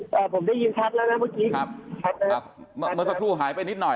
ผมได้ยินชัดแล้วนะเมื่อสักครู่หายไปนิดหน่อย